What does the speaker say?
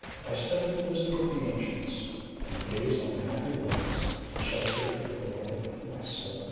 I studied the wisdom of the ancients, and gazed on the happy walls that sheltered the beloved of my soul.